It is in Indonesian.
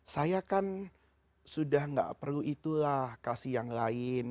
saya kan sudah tidak perlu itulah kasih yang lain